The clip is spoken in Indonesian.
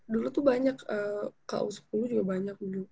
dulu tuh banyak ku sepuluh juga banyak